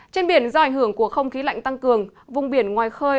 trên biển do ảnh hưởng của không khí lạnh tăng cường vùng biển ngoài khơi